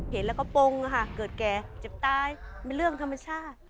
เห็นแล้วก็ปงค่ะเกิดแก่เจ็บตายเป็นเรื่องธรรมชาติ